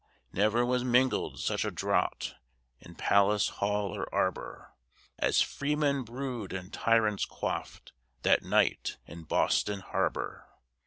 ne'er was mingled such a draught In palace, hall, or arbor, As freemen brewed and tyrants quaffed That night in Boston Harbor!